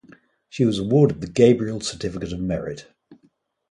She was awarded the Gabriel Certificate of Merit.